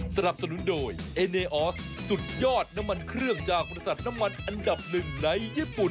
สุดยอดน้ำมันเครื่องจากบริษัทน้ำมันอันดับหนึ่งในญี่ปุ่น